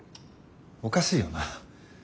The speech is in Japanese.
おかしいよな。